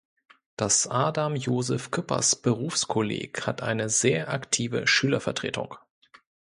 Das Adam-Josef-Cüppers-Berufskolleg hat eine sehr aktive Schülervertretung.